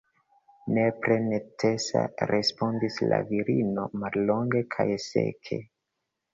Nepre necesa, respondis la virino mallonge kaj seke.